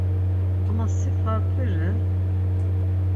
Ama si farǩli re.